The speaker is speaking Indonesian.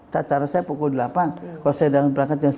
secara saya pukul delapan kalau saya dalam perangkat yang